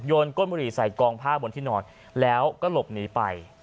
ก้นบุหรี่ใส่กองผ้าบนที่นอนแล้วก็หลบหนีไป